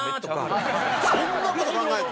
そんな事考えるの？